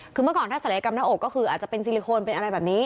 คือเมื่อก่อนถ้าศัลยกรรมหน้าอกก็คืออาจจะเป็นซิลิโคนเป็นอะไรแบบนี้